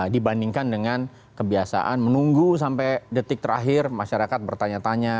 dibandingkan dengan kebiasaan menunggu sampai detik terakhir masyarakat bertanya tanya